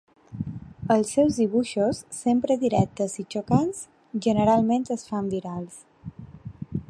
Els seus dibuixos, sempre directes i xocants, generalment es fan virals.